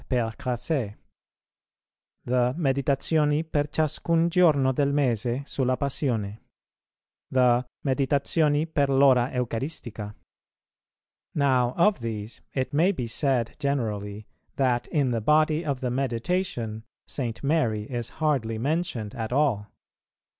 Crasset; the "Meditazioni per ciascun giorno del mese sulla Passione;" the "Meditazioni per l'ora Eucaristica." Now of these it may be said generally, that in the body of the Meditation St. Mary is hardly mentioned at all.